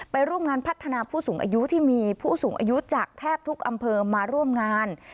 ร่วมงานพัฒนาผู้สูงอายุที่มีผู้สูงอายุจากแทบทุกอำเภอมาร่วมงาน